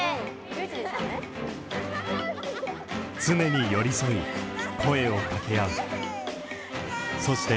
常に寄り添い、声を掛け合う。